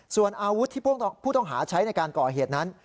ส่วนอาวุธที่พวกผู้ต้องหาใช้ในการก่อเหตุนั้น